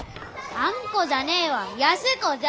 あんこじゃねえわ安子じゃ。